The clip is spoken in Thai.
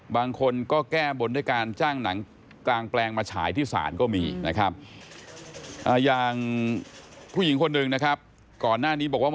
บางคนก็แก้บนในการซ่างหนังการแปลงมาฉายที่ศาลมิกรรมก็มี